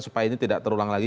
supaya ini tidak terulang lagi